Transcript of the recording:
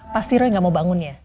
pasti roy gak mau bangun ya